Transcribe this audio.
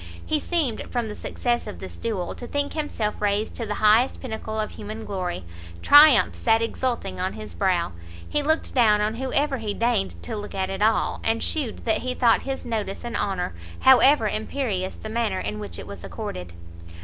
He seemed, from the success of this duel, to think himself raised to the highest pinnacle of human glory; triumph sat exulting on his brow; he looked down on whoever he deigned to look at all, and shewed that he thought his notice an honour, however imperious the manner in which it was accorded.